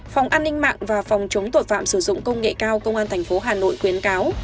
phòng an ninh mạng và phòng chống tội phạm sử dụng công nghệ cao công an tp hà nội khuyến cáo